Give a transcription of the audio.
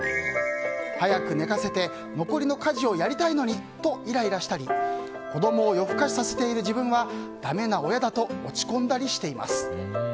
早く寝かせて残りの家事をやりたいのにとイライラしたり子供を夜更かしさせている自分はだめな親だと落ち込んだりしています。